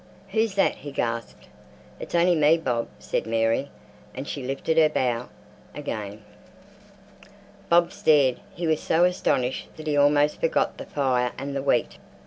who's that?" he gasped. "It's only me, Bob," said Mary, and she lifted her bough again. Bob stared. He was so astonished that he almost forgot the fire and the wheat.